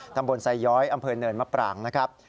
ตำบลไซย้อยอำเภอเนินมะปรางนะครับ